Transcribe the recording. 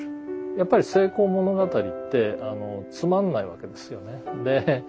やっぱり成功物語ってつまんないわけですよね。